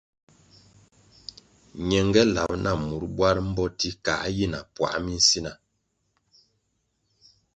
Ñenge lab na mur bwar mboti kā yi na puā minsina.